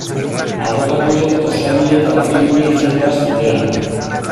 Abokatuek osagile eta bakegile izan behar zutela.